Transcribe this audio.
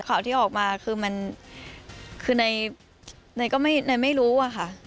ข่าวที่ออกมาคือในก็ไม่รู้ค่ะ